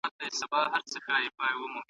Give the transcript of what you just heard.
ایا شاګرد باید د استاد خبري ثبت کړي؟